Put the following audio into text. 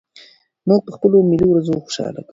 موږ په خپلو ملي ورځو خوشالي کوو.